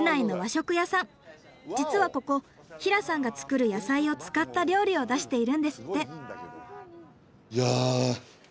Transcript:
実はここ平さんが作る野菜を使った料理を出しているんですって。